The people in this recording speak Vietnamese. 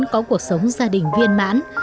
có cuộc sống gia đình viên mãn